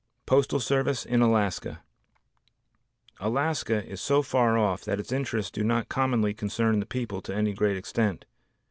Postal Service in Alaska Alaska is so far off that its interests do not commonly concern the people to any great extent.